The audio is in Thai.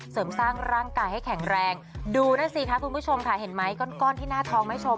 เสริมสร้างร่างกายให้แข็งแรงดูนั่นสิคะคุณผู้ชมค่ะเห็นไหมก้อนที่หน้าท้องแม่ชม